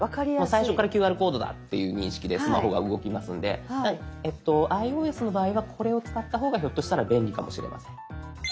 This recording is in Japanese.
最初からＱＲコードだっていう認識でスマホが動きますのでｉＯＳの場合はこれを使った方がひょっとしたら便利かもしれません。